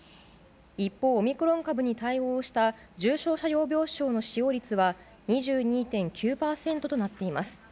一方、オミクロン株に対応した重症者用病床の使用率は、２２．９％となっています。